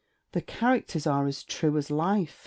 'The characters are as true as life!'